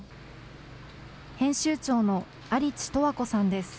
編集長の有地永遠子さんです。